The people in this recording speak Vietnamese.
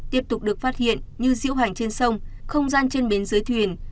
tiếp tục được phát hiện như diễu hành trên sông không gian trên bến dưới thuyền